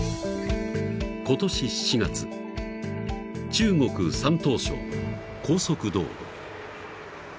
［今年７月中国山東省の高速道路］